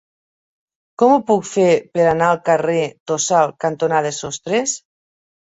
Com ho puc fer per anar al carrer Tossal cantonada Sostres?